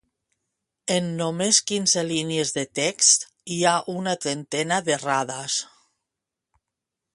En només quinze línies de text hi ha una trentena d’errades.